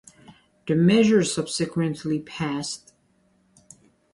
The measure subsequently passed.